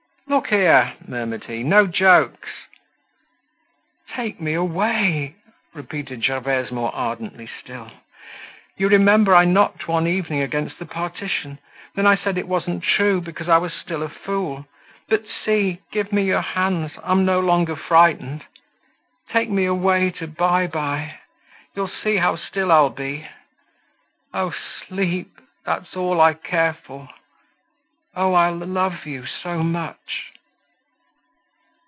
"Look here," murmured he, "no jokes!" "Take me away," repeated Gervaise more ardently still. "You remember, I knocked one evening against the partition; then I said that it wasn't true, because I was still a fool. But see! Give me your hands. I'm no longer frightened. Take me away to by by; you'll see how still I'll be. Oh! sleep, that's all I care for. Oh! I'll love you so much!"